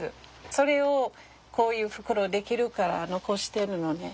それをこういう袋出来るから残してるのね。